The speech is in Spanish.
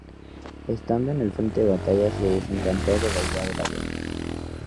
Estando en el frente de batalla se desencanto de la idea de la guerra.